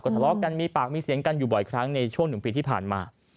ทะเลาะกันมีปากมีเสียงกันอยู่บ่อยครั้งในช่วง๑ปีที่ผ่านมา